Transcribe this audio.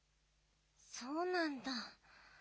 そうなんだ。